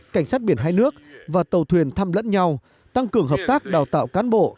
cảnh sát biển hai nước và tàu thuyền thăm lẫn nhau tăng cường hợp tác đào tạo cán bộ